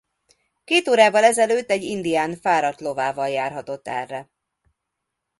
Két órával ezelőtt egy indián fáradt lovával járhatott erre.